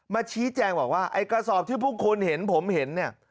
มาชี้แจงว่าไอ้กระซอบที่ผมเห็นเนี่ย